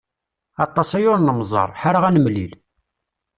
Aṭas aya ur nemẓer, ḥareɣ ad nemlil.